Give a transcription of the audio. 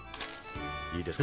「いいですか？」